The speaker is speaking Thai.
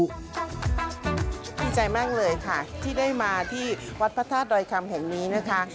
ดีใจมากเลยค่ะที่ได้มาที่วัดพระธาตุดอยคำแห่งนี้นะคะ